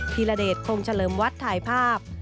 ีระเดชคงเฉลิมวัดถ่ายภาพ